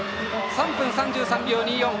３分３３秒２４。